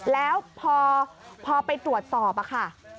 แล้วพอไปตรวจสอบค่ะ